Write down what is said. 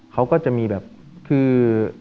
เขาก็จะมีแบบคือ